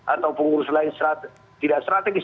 atau pengurus lain tidak strategis